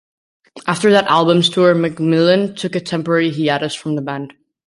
After that album's tour, McMillan took a temporary hiatus from the band.